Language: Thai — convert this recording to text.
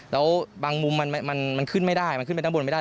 แล้วบางมุมมันขึ้นไม่ได้มันขึ้นไปด้านบนไม่ได้